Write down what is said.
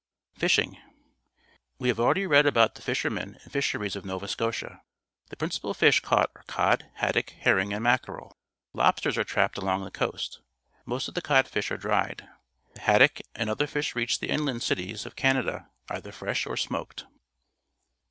Fishing. — We have already read about the fishermen and fisheries of Nova Scotia. The principal fish caught are cod , haddock, herring, and mackerel. Lobsters are trapped along the coast. Most of the codfish are dried. The haddock and other fish reach the in , land cities of Canada either fresh or smoked.